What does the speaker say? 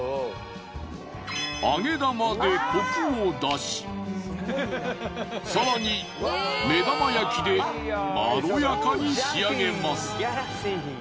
揚げ玉でコクを出し更に目玉焼きでまろやかに仕上げます。